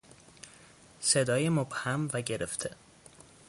صدای مبهم و گرفته